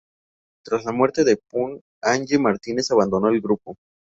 Tras la muerte de Pun, Angie Martínez abandonó el grupo.